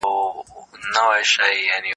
هغه کسان چې لاړل، پښېمانه به شي.